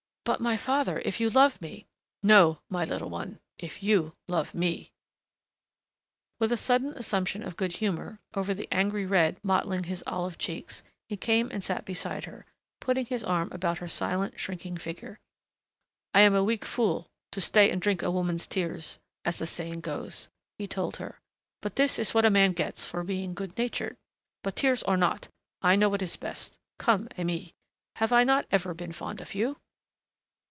"But, my father, if you love me " "No, my little one, if you love me!" With a sudden assumption of good humor over the angry red mottling his olive cheeks, he came and sat beside her, putting his arm about her silently shrinking figure. "I am a weak fool to stay and drink a woman's tears, as the saying goes," he told her, "but this is what a man gets for being good natured.... But, tears or not, I know what is best.... Come, Aimée, have I not ever been fond of you